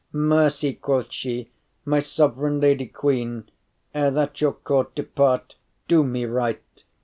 “Mercy,” quoth she, “my sovereign lady queen, Ere that your court departe, do me right.